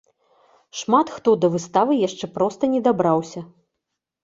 Шмат хто да выставы яшчэ проста не дабраўся.